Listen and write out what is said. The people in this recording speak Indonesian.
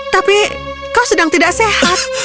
tapi kau sedang tidak sehat